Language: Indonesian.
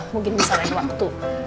mungkin misalnya waktu